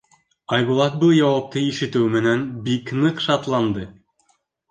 Айбулат был яуапты ишетеү менән бик ныҡ шатланды.